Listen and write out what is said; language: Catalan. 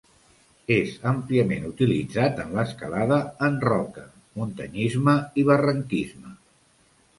És àmpliament utilitzat en l'escalada en roca, muntanyisme i barranquisme.